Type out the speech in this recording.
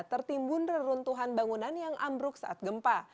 tertimbun reruntuhan bangunan yang ambruk saat gempa